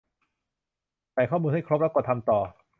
ใส่ข้อมูลให้ครบ แล้วกด ทำต่อ